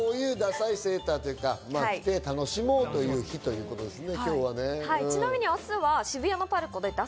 こういうダサいセーターを着て楽しもうという日ということですね。